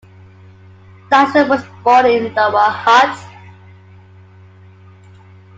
Dyson was born in Lower Hutt.